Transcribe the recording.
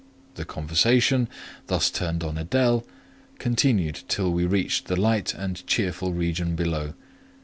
The conversation, thus turned on Adèle, continued till we reached the light and cheerful region below.